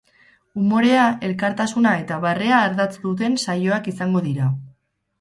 Umorea, elkartasuna eta barrea ardatz duten saioak izango dira.